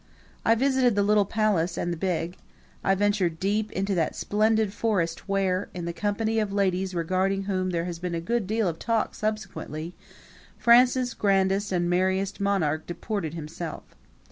I visited the little palace and the big; I ventured deep into that splendid forest where, in the company of ladies regarding whom there has been a good deal of talk subsequently, France's Grandest and Merriest Monarch disported himself.